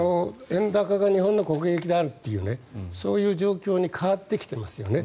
円高が日本の国益であるというそういう状況に変わってきていますよね。